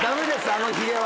あのひげは。